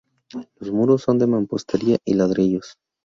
Los muros son de mampostería y ladrillos.